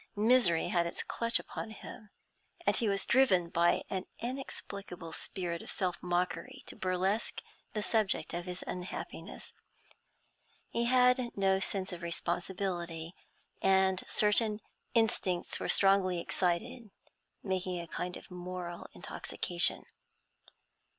Misery had its clutch upon him, and he was driven by an inexplicable spirit of self mockery to burlesque the subject of his unhappiness. He had no sense of responsibility, and certain instincts were strongly excited, making a kind of moral intoxication.